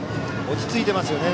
落ち着いていますよね。